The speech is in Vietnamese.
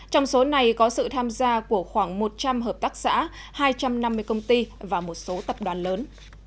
trong số này có sự tham gia của khoảng một trăm linh hợp tác xã hai trăm năm mươi công ty và một số tập đoàn lớn